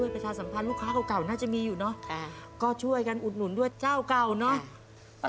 ประชาสัมพันธ์ลูกค้าเก่าน่าจะมีอยู่เนอะก็ช่วยกันอุดหนุนด้วยเจ้าเก่าเนาะ